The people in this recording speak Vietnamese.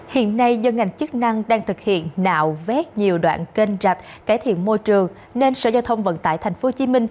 hiện nay do ngành chức năng đang thực hiện nạo vét nhiều đoạn kênh rạch cải thiện môi trường nên sở giao thông vận tải tp hcm